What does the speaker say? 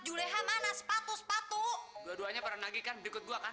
julehan mana sepatu sepatu dua duanya pernah nage kan berikut gua kan